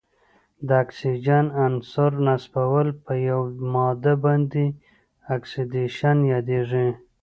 د اکسیجن عنصر نصبول په یوه ماده باندې اکسیدیشن یادیږي.